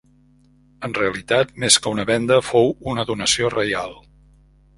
En realitat, més que una venda fou una donació reial.